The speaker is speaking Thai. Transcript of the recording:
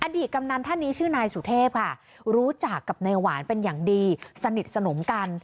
ตกำนันท่านนี้ชื่อนายสุเทพค่ะรู้จักกับนายหวานเป็นอย่างดีสนิทสนมกัน